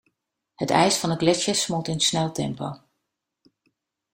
Het ijs van de gletsjers smolt in sneltempo.